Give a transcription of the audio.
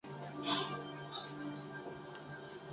Allí descubrió la música country.